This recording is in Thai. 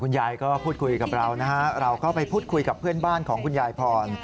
ยายก็พูดคุยกับเรานะฮะเราก็ไปพูดคุยกับเพื่อนบ้านของคุณยายพร